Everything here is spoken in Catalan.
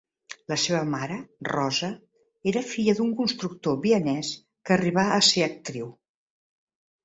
La seva mare, Rosa, era filla d'un constructor vienès que arribà a ser actriu.